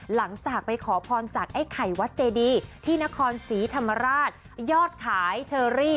หลังจากไปขอพรจากไอ้ไข่วัดเจดีที่นครศรีธรรมราชยอดขายเชอรี่